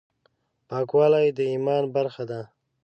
پاکوالی د ایمان برخه ده.